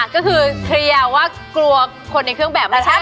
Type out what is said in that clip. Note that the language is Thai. ก็คือเคลียร์ว่ากลัวคนในเครื่องแบบไม่ใช่